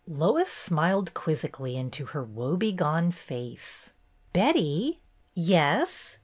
Lois smiled quizzically into her woe begone face. "Betty?" "Yes?